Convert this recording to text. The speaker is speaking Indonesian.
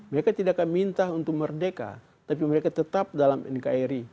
mereka tidak akan minta untuk merdeka tapi mereka tetap dalam nkri